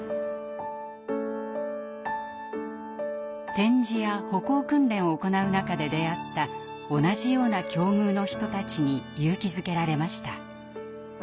点字や歩行訓練を行う中で出会った同じような境遇の人たちに勇気づけられました。